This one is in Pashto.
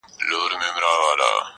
سترگي دي ژوند نه اخلي مرگ اخلي اوس